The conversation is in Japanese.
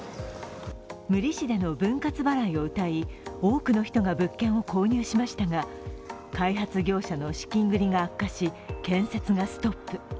無利子での分割払いをうたい多くの人が物件を購入しましたが開発業者の資金繰りが悪化して、建設がストップ。